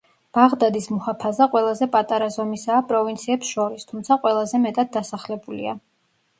ბაღდადის მუჰაფაზა ყველაზე პატარა ზომისაა პროვინციებს შორის, თუმცა ყველაზე მეტად დასახლებულია.